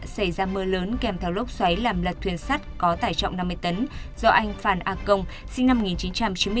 xảy ra mưa lớn kèm theo lốc xoáy làm lật thuyền sắt có tải trọng năm mươi tấn do anh phan a công sinh năm một nghìn chín trăm chín mươi bốn